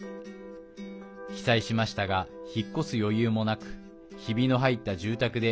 被災しましたが引っ越す余裕もなくひびの入った住宅で